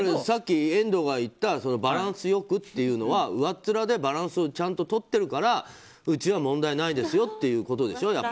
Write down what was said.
さっき、遠藤が言ったバランス良くっていうのは上っ面でバランスをちゃんととっているからうちは問題ないですよっていうことでしょ？